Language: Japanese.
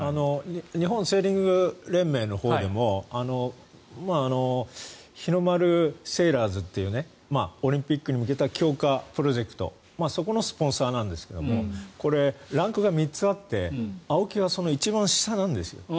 日本セーリング連盟のほうでも日の丸セーラーズというオリンピックに向けた強化プロジェクトそこのスポンサーなんですがランクが３つあってＡＯＫＩがその一番下なんです。